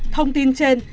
thông tin trên